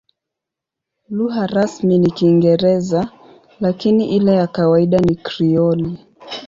Lugha rasmi ni Kiingereza, lakini ile ya kawaida ni Krioli.